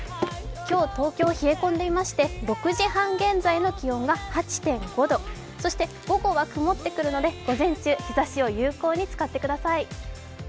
今日、東京、冷え込んでいまして、６時半現在の気温が８．５度、そして午後は曇ってくるので午前中、日ざしを有効に使ってください。